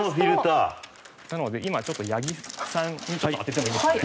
なので今ちょっと八木さんにちょっと当ててもいいですか？